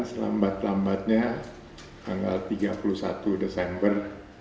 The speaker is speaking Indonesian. selambat lambatnya tanggal tiga puluh satu desember dua ribu empat belas